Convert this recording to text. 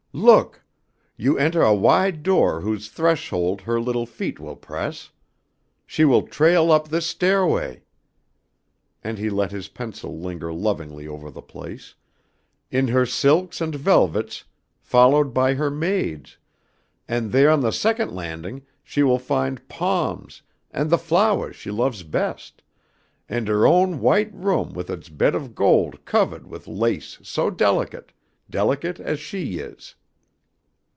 "Look. You entah a wide door whose threshold her little feet will press. She will trail up this staiahway," and he let his pencil linger lovingly over the place, "in her silks and velvets, followed by her maids, and theah on the second landing she will find palms and the flowahs she loves best, and her own white room with its bed of gold covahd with lace so delicate, delicate as she is.